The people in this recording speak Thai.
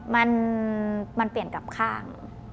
มันเปลี่ยนกับข้าง